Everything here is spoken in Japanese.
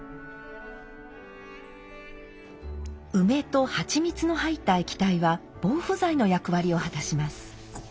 梅と蜂蜜の入った液体は防腐剤の役割を果たします。